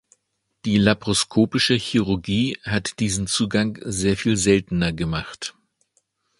Die laparoskopische Chirurgie hat diesen Zugang sehr viel seltener gemacht.